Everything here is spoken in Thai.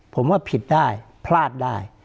ผมว่าผิดได้พลาดได้